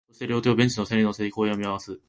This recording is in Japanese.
そして、両手をベンチの背に乗せ、公園を見回す